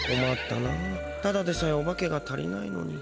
ただでさえおばけが足りないのに。